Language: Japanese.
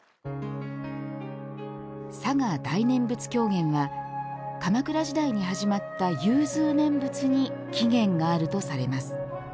嵯峨大念仏狂言は鎌倉時代に始まった融通念仏に起源があるとされます。